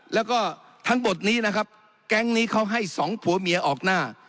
แล้วก็ทั้งหมดนี้นะครับแก๊งนี้เขาให้สองผัวเมียออกหน้า